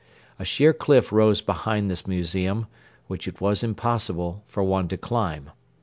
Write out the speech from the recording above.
A sheer cliff rose behind this museum, which it was impossible for one to climb.